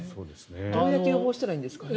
どうやって予防したらいいんですかね。